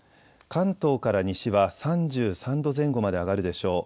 関東から西は３３度前後まで上がるでしょう。